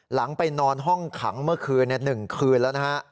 หลังไปนอนห้องขังเมื่อคืน๑คืนแล้วนะฮะ